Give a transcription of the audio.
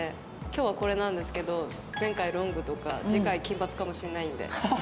今日はこれなんですけど前回ロングとか次回金髪かもしれないんで。